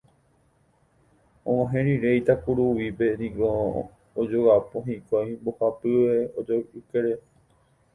Og̃uahẽ rire Itakuruvípe niko ojogapo hikuái mbohapyve ojoykére.